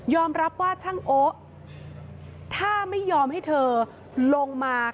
รับว่าช่างโอ๊ถ้าไม่ยอมให้เธอลงมา